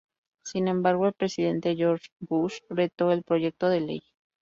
Sin embargo, el presidente George W. Bush, vetó el proyecto de ley.